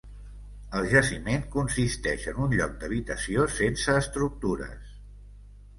El jaciment consisteix en un lloc d'habitació sense estructures.